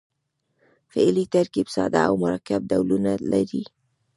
فعلي ترکیب ساده او مرکب ډولونه لري.